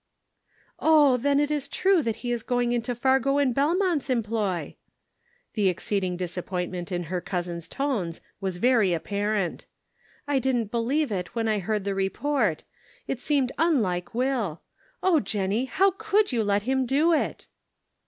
" Oh, then it is true that he is going into Fargo & Belmont's employ !"— the exceeding disappointment in her cousin's tones was very apparent — "I didn't believe it when I heard the report. It seemed unlike . Will ; oh, Jennie, how could you let him do it